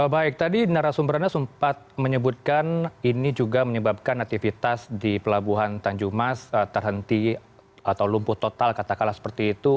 baik tadi narasumber anda sempat menyebutkan ini juga menyebabkan aktivitas di pelabuhan tanjung mas terhenti atau lumpuh total katakanlah seperti itu